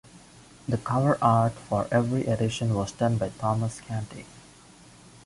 The cover art for every edition was done by Thomas Canty.